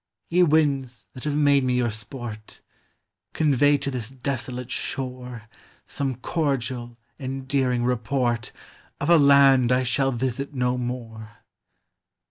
Ye winds that have made me your sport, Convey to this desolate shore Some cordial, endearing report Of a land I shall visit no more